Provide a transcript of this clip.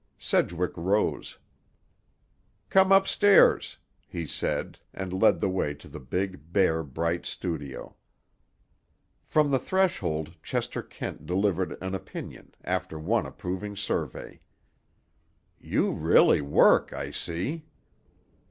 Sedgwick rose. "Come up stairs," he said, and led the way to the big, bare, bright studio. From the threshold Chester Kent delivered an opinion, after one approving survey. "You really work, I see."